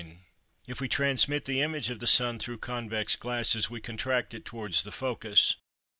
If we transmit the image of the sun through convex glasses we contract it towards the focus.